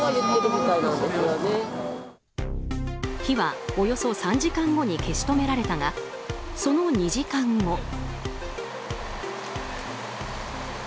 火はおよそ３時間後に消し止められたがその２時間後。